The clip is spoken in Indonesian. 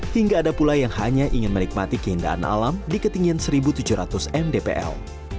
hingga ada pula yang hanya ingin menikmati keindahan alam di ketinggian satu tujuh ratus mdpl